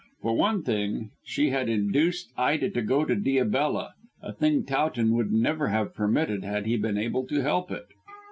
For one thing, she had induced Ida to go to Diabella, a thing Towton would never have permitted had he been able to help it.